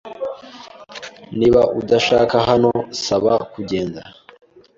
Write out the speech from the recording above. Niba udashaka hano, saba kugenda.